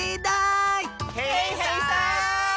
へいへいさん！